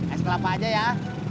es kelapa aja ya